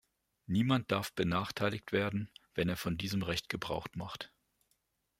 Niemand darf benachteiligt werden, wenn er von diesem Recht Gebrauch macht.